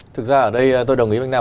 thực ra ở đây tôi đồng ý với anh nam